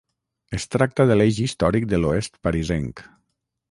Es tracta de l'eix històric de l'oest parisenc.